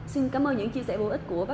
xin cảm ơn những chia sẻ bổ ích của